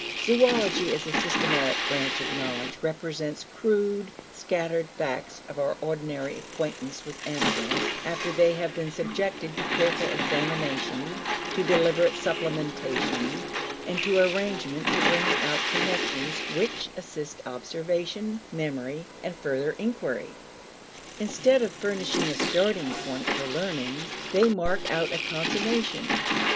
Zoology as a systematic branch of knowledge represents crude, scattered facts of our ordinary acquaintance with animals after they have been subjected to careful examination, to deliberate supplementation, and to arrangement to bring out connections which assist observation, memory, and further inquiry. Instead of furnishing a starting point for learning, they mark out a consummation.